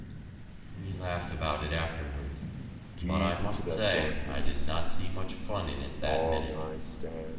We laughed about it afterwards, but I must say I did not see much fun in it that minute.